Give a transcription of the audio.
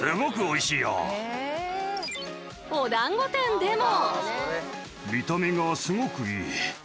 おだんご店でも。